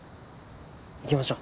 行きましょう。